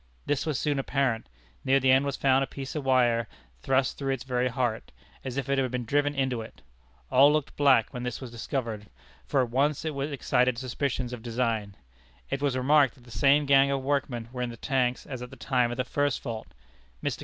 This was soon apparent. Near the end was found a piece of wire thrust through its very heart, as if it had been driven into it. All looked black when this was discovered, for at once it excited suspicions of design. It was remarked that the same gang of workmen were in the tank as at the time of the first fault. Mr.